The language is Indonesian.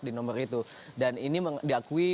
di nomor itu dan ini diakui